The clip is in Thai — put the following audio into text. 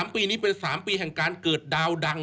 ปีนี้เป็น๓ปีแห่งการเกิดดาวดัง